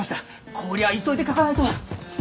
こりゃあ急いで書かないと。